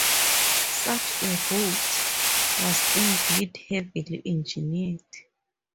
Such a route was indeed heavily engineered.